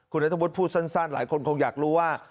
คุณนัทวุฒิพูดสั้นหลายคนคงอยากรู้ว่า